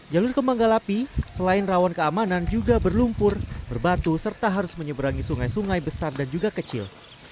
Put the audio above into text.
jalur kemanggalapi selain rawan keamanan juga berlumpur berbatu serta harus menyeberangi sungai sungai besar dan juga kecil